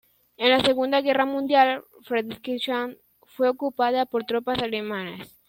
En la Segunda Guerra Mundial, Frederikshavn fue ocupada por tropas alemanas.